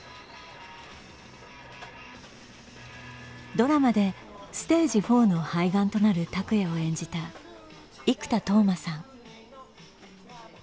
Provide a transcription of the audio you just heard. ドラマでステージⅣの肺がんとなる拓哉を演じた生田斗真さん。